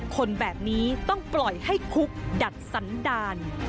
คนแบบนี้ต้องปล่อยให้คุกดัดสันดาล